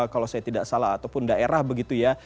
kalau saya tidak salah ataupun daerah begitu ya